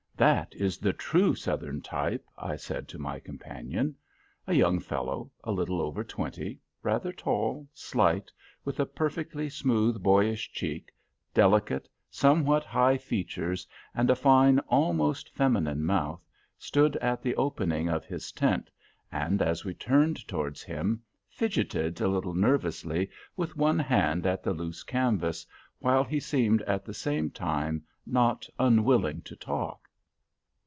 "That is the true Southern type," I said to my companion. A young fellow, a little over twenty, rather tall, slight, with a perfectly smooth, boyish cheek, delicate, somewhat high features, and a fine, almost feminine mouth, stood at the opening of his tent, and as we turned towards him fidgeted a little nervously with one hand at the loose canvas, while he seemed at the same time not unwilling to talk.